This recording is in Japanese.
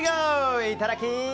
いただき！